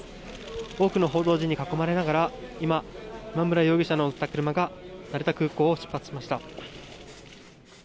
多くの報道陣に囲まれながら今村容疑者を乗せた車が成田空港を出発しました。